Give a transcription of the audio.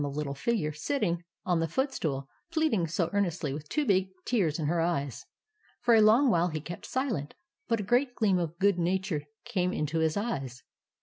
The great Giant looked down on the little figure sitting on the footstool, pleading so earnestly with two big tears in her eyes. For a long while he kept silent ; but a great gleam of good nature came into his eyes.